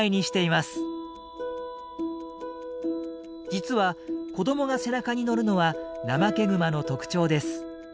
実は子どもが背中に乗るのはナマケグマの特徴です。